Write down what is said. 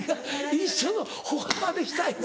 一緒の歩幅でしたいの？